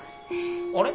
あれ？